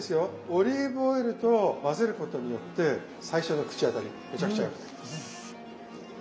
オリーブオイルと混ぜることによって最初の口当たりむちゃくちゃ良くなります。